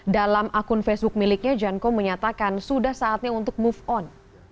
dalam akun facebook miliknya jan ko menyatakan sudah saatnya untuk move on